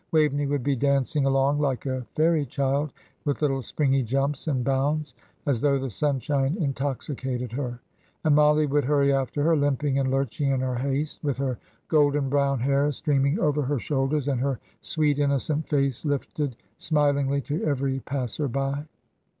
Waveney would be dancing along like a fairy child, with little springy jumps and bounds, as though the sunshine intoxicated her, and Mollie would hurry after her, limping and lurching in her haste, with her golden brown hair streaming over her shoulders, and her sweet, innocent face lifted smilingly to every passer by.